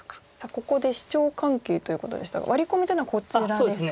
ここでシチョウ関係ということでしたがワリコミというのはこちらですか。